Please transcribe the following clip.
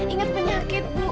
ingat penyakit bu